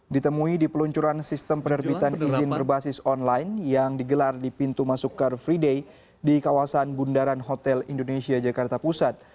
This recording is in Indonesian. ditemui di peluncuran sistem penerbitan izin berbasis online yang digelar di pintu masuk car free day di kawasan bundaran hotel indonesia jakarta pusat